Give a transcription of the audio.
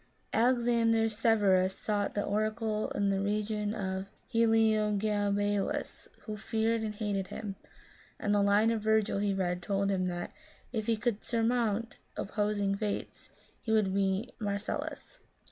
Alexander Severus sought the oracle in the reign of Heliogabalus, who feared and hated him ; and the line of Virgil he read told him that " if he could surmount opposing fates, he would be Marcellus."